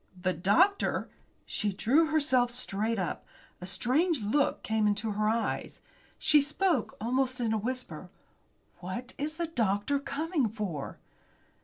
"The doctor?" She drew herself straight up. A strange look came into her eyes. She spoke almost in a whisper. "What is the doctor coming for?"